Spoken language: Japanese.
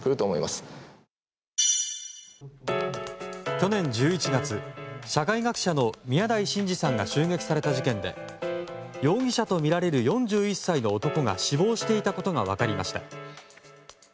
去年１１月、社会学者の宮台真司さんが襲撃された事件で容疑者とみられる４１歳の男が死亡していたことが分かりました。